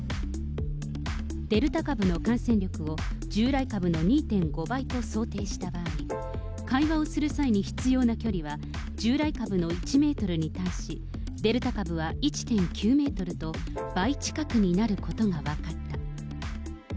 デルタ株の感染力を従来株の２．５倍と想定した場合、会話をする際に必要な距離は、従来株の１メートルに対し、デルタ株は１．９メートルと、倍近くになることが分かった。